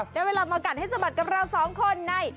นี้เรามาการให้สบัตรกับเราสองคนใน